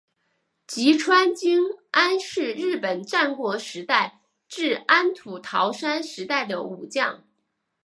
吉川经安是日本战国时代至安土桃山时代的武将。